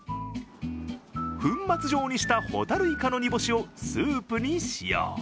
粉末状にしたホタルイカの煮干しをスープに使用。